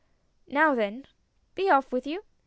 "Now then, be off with you!"